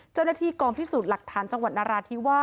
เจ้าหน้าที่กองพิสูจน์หลักฐานจังหวัดนราธิวาส